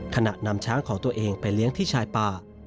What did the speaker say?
นำช้างของตัวเองไปเลี้ยงที่ชายป่า